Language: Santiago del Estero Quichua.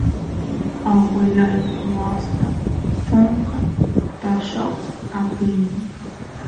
aguelay waasta chunka taayoq apin